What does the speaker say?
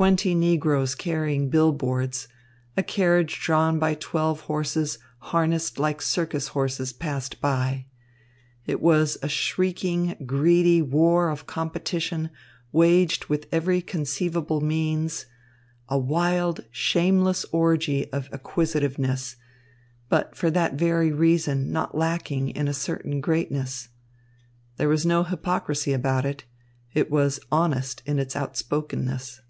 Twenty negroes carrying bill boards, a carriage drawn by twelve horses harnessed like circus horses passed by. It was a shrieking, greedy war of competition, waged with every conceivable means, a wild, shameless orgy of acquisitiveness, but for that very reason not lacking in a certain greatness. There was no hypocrisy about it. It was honest in its outspokenness.